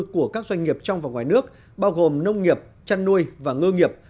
của các doanh nghiệp trong và ngoài nước bao gồm nông nghiệp chăn nuôi và ngư nghiệp